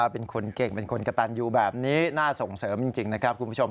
เป็นคนเก่งเป็นคนกระตันอยู่แบบนี้น่าส่งเสริมจริงนะครับคุณผู้ชม